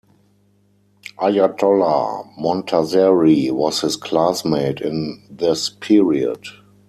Ayatollah Montazeri was his classmate in this period.